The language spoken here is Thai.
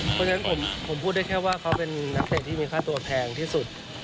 เพราะฉะนั้นผมพูดได้แค่ว่าเขาเป็นนักเตะที่มีค่าตัวแพงที่สุด